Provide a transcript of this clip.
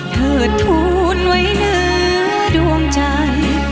เธอทูลไว้เนื้อดวงใจ